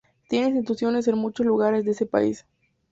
Tiene instituciones en muchos lugares de ese país.